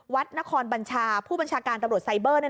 วัดนครบัญชาผู้บัญชาการตำรวจไซเบอร์